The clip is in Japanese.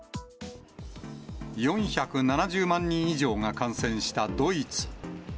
４７０万人以上が感染したドイツ。